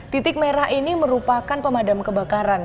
titik merah ini merupakan pemadam kebakaran